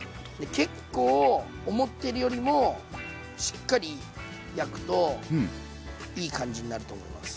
結構思ってるよりもしっかり焼くといい感じになると思います。